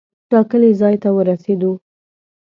ټاکلي ځای ته ورسېدو.